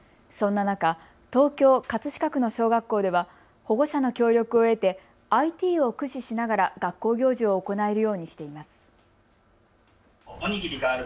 そんな中、東京葛飾区の小学校では保護者の協力を得てＩＴを駆使しながら学校行事を行えるようにしています。